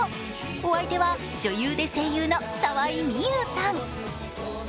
お相手は女優で声優の沢井美優さん。